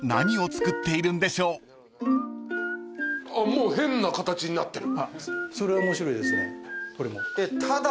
もう変な形になってる。